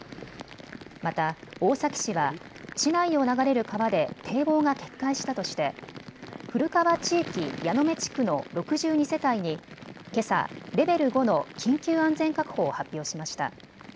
また大崎市は市内を流れる川で堤防が決壊したとして古川地域矢目地区の６２世帯にけさ、レベル５の緊急安全確保を発表しました。